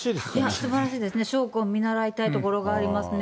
すばらしいですね、商魂見習いたいところがありますね。